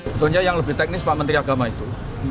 tentunya yang lebih teknis pak menteri agama itu